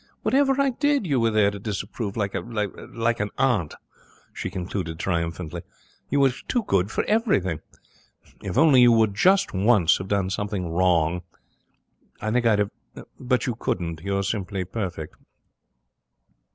Whatever I did you were there to disapprove like a like a like an aunt,' she concluded triumphantly. 'You were too good for anything. If only you would, just once, have done something wrong. I think I'd have But you couldn't. You're simply perfect.'